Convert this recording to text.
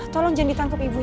tolong jangan ditangkep ibunya